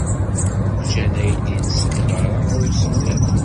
Ǧǧan aydi-nsen beṛṛa, i usemmiḍ.